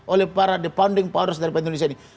oleh para depanding powers dari indonesia ini